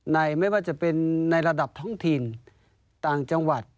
ไม่ว่าจะเป็นในระดับท้องถิ่นต่างจังหวัด